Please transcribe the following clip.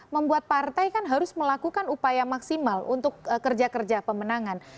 membuat partai kan harus melakukan upaya maksimal untuk kerja kerja pemenangan